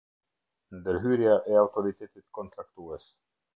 Ndërhyrja e Autoritetit Kontraktues.